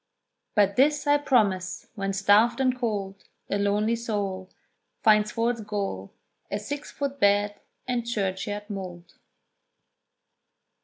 "But this I promise, when starved and cold A lonely soul Finds for its goal A six foot bed and churchyard mould."